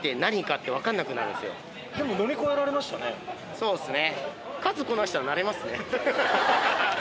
そうっすね。